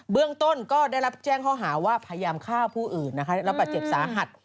เบื้องต้นก็ได้แจ้งข้อหาว่าพยายามฆ่าผู้อื่นแล้วบาดเจ็บสาหัส